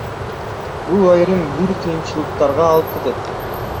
Бул айрым бир кыйынчылыктарга алып келет.